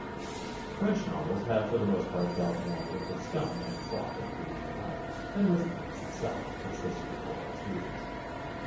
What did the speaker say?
French novels have for the most part dealt more with the scum and froth of Parisian life than with France itself, its history or its regions.